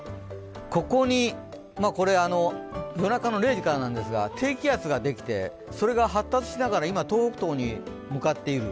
ここに、夜中の０時からなんですが、低気圧ができてそれが発達しながら、今、東北東に向かっている。